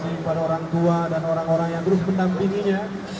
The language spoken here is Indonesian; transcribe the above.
kepada orang tua dan orang orang yang terus mendampinginya